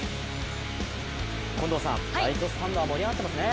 近藤さん、ライトスタンドは盛り上がってますね。